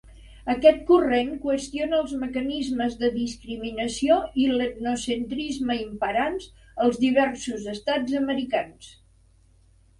Aquest corrent qüestiona els mecanismes de discriminació i l'etnocentrisme imperants als diversos estats americans.